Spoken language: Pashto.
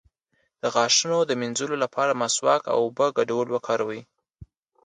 د غاښونو د مینځلو لپاره د مسواک او اوبو ګډول وکاروئ